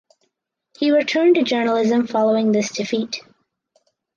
He returned to journalism following this defeat.